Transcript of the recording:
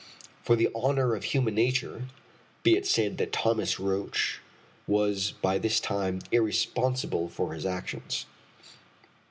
For the honor of human nature be it said that Thomas Roch was by this time irresponsible for his actions.